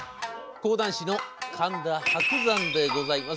講談師の神田伯山でございます。